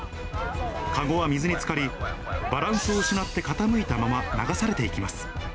かごは水につかり、バランスを失って傾いたまま、流されていきます。